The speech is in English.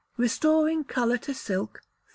Restoring Colour to Silk (3).